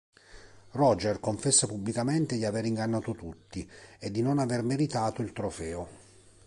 Roger confessa pubblicamente di aver ingannato tutti e di non aver meritato il trofeo.